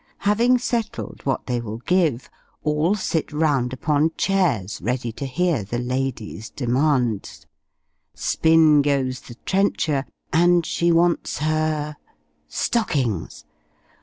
Having settled what they will give, all sit round upon chairs, ready to hear the lady's demands: spin goes the trencher, and she wants her Stockings!